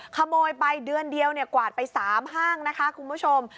ขโมยไปเดือนเดียวกวาดไป๓ห้างนะคะคุณผู้ชม